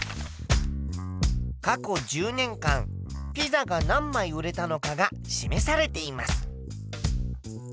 過去１０年間ピザが何枚売れたのかが示されています。